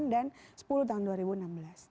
delapan dan sepuluh tahun dua ribu enam belas